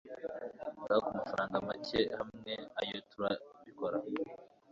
ngaho kumafaranga make hamwe oya turabikora